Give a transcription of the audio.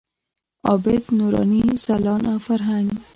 عابد، نوراني، ځلاند او فرهنګ.